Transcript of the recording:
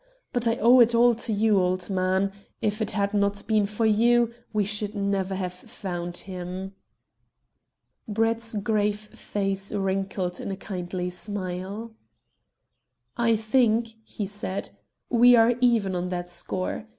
But I owe it all to you, old man. If it had not been for you we should never have found him." Brett's grave face wrinkled in a kindly smile. "I think," he said, "we are even on that score.